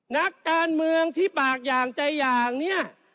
นักการเมืองที่ปากอย่างใจอย่างเนี่ย